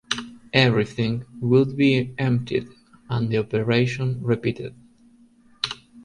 Everything would be emptied and the operation repeated.